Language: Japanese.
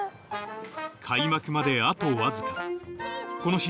開幕まであとわずかこの日